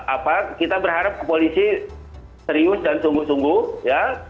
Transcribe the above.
apa kita berharap polisi serius dan sungguh sungguh ya